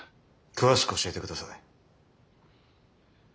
詳しく教えてください。